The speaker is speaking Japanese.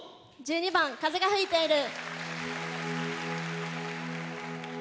１２番「風が吹いている」。